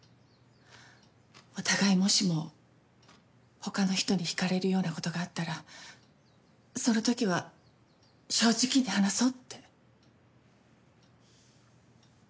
お互いもしも他の人に引かれるようなことがあったらその時は正直に話そうって。